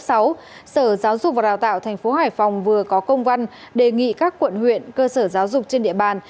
sở giáo dục và đào tạo tp hải phòng vừa có công văn đề nghị các quận huyện cơ sở giáo dục trên địa bàn